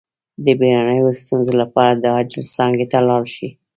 د بیړنیو ستونزو لپاره د عاجل څانګې ته لاړ شئ